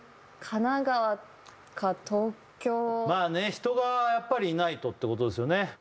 人がやっぱりいないとってことですよね